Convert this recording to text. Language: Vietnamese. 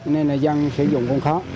nên là dân sử dụng cũng khó